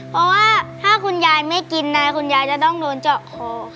เพราะว่าถ้าคุณยายไม่กินนายคุณยายจะต้องโดนเจาะคอ